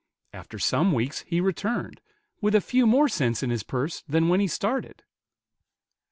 After some weeks he returned, with a few more cents in his purse than when he started!